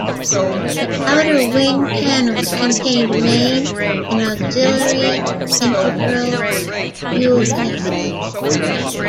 The outer wing panels contained main and auxiliary, integral fuel tanks.